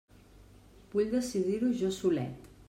Vull decidir-ho jo solet!